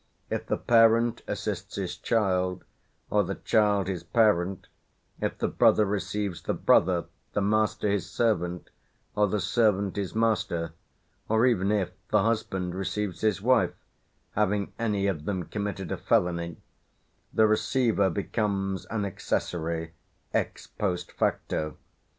If the parent assists his child, or the child his parent, if the brother receives the brother, the master his servant, or the servant his master, or even if the husband receives his wife, having any of them committed a felony, the receiver becomes an accessory ex post facto.